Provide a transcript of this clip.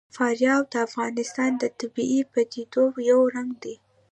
فاریاب د افغانستان د طبیعي پدیدو یو رنګ دی.